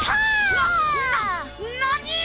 なななに！？